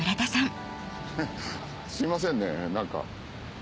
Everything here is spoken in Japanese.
すいませんね何か。